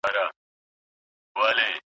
خلګو تر پخوا زياته سياسي پوهه ترلاسه کړه.